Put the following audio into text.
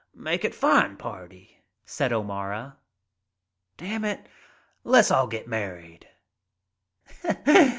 Make it fine party," said O'Mara. "Damn it, le's all get married."